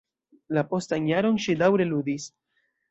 La postan jaron, ŝi daŭre ludis.